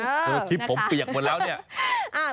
คือที่ผมเปียกหมดแล้วเนี่ย